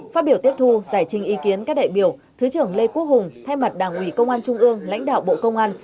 phát biểu tiếp thu giải trình ý kiến các đại biểu thứ trưởng lê quốc hùng thay mặt đảng ủy công an trung ương lãnh đạo bộ công an